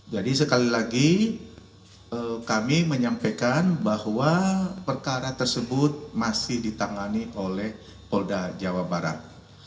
jadi sekali lagi kami menyampaikan bahwa perkara tersebut masih ditangani oleh polda jawa barat